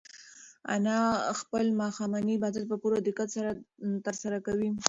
انا خپل ماښامنی عبادت په پوره دقت ترسره کړی و.